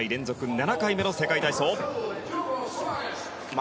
７回目の世界体操。